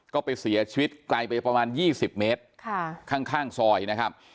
ก็ไปเสียชีวิตไกลไปประมาณ๒๐เมตรข้างซอยนะครับ